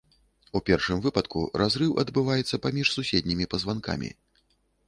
У першым выпадку разрыў адбываецца паміж суседнімі пазванкамі.